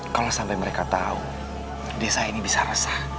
kalau sampai mereka tahu desa ini bisa resah